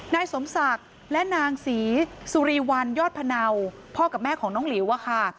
นายสมศักดิ์และนางศรีสุรีวันยอดพะเนาพ่อกับแม่ของน้องหลิวอะค่ะ